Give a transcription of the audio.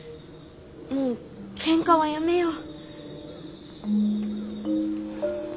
もうケンカはやめよう。